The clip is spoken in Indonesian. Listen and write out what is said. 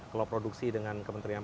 kalau produksi dengan kementerian